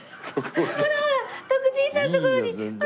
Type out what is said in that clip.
ほらほら徳じいさんのところに。